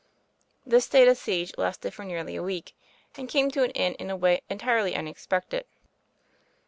This state of siege lasted for nearly a week; and came to an end in a way entirely unex pected.